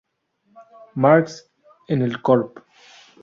Marx, en el “Corp.